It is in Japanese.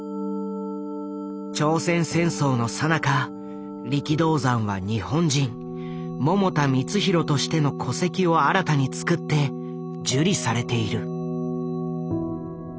朝鮮戦争のさなか力道山は日本人百田光浩としての戸籍を新たに作って受理されている。